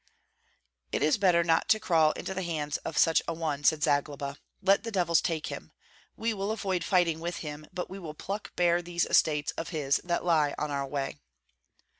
"It is better not to crawl into the hands of such a one," said Zagloba. "Let the devils take him! We will avoid fighting with him, but we will pluck bare these estates of his that lie on our way."